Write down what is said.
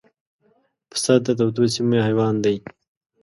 پسه د تودو سیمو حیوان دی.